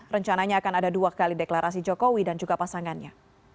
rencananya akan ada dua kali deklarasi jokowi dan juga pasangannya